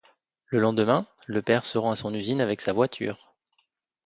Le lendemain, le père se rend à son usine avec sa voiture.